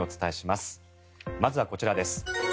まずはこちらです。